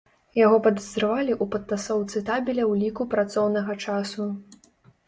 Яго падазравалі ў падтасоўцы табеля ўліку працоўнага часу.